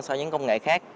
so với những công nghệ khác